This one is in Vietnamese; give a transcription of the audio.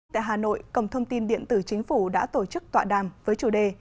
tại hà nội cổng thông tin điện tử chính phủ đã tổ chức tọa đàm với chủ đề